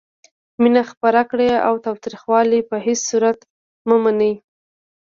مینه خپره کړئ او تاوتریخوالی په هیڅ صورت مه منئ.